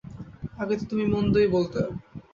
আগে তো তুমি মন্দই বলতে!